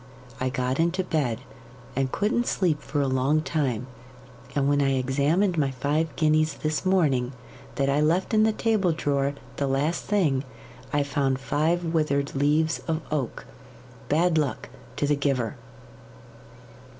I got into bed, and couldn't sleep for a long time; and when I examined my five guineas this morning, that I left in the table drawer the last thing, I found five withered leaves of oak bad luck to the giver!